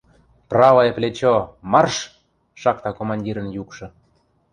— Правое плечо... марш! — шакта командирӹн юкшы.